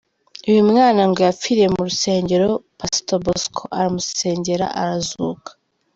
Uyu mwana ngo yapfiriye mu rusengero, Pastor Bosco aramusengera arazuka.